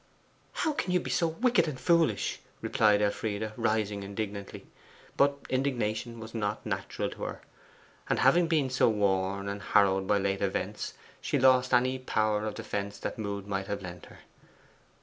'How can you be so wicked and foolish!' replied Elfride, rising indignantly. But indignation was not natural to her, and having been so worn and harrowed by late events, she lost any powers of defence that mood might have lent her.